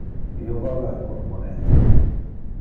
Io vole alcun moneta.